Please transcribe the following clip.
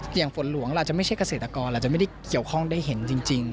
ฝนหลวงเราจะไม่ใช่เกษตรกรเราจะไม่ได้เกี่ยวข้องได้เห็นจริง